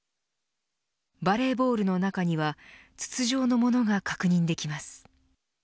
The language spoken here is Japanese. バレーボールの中には筒状のものが確認できます。